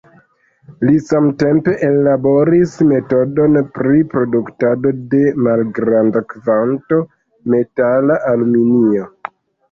Li samtempe ellaboris metodon pri produktado de malgrand-kvanta metala aluminio.